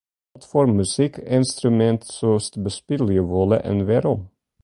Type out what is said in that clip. Watfoar muzykynstrumint soest bespylje wolle en wêrom?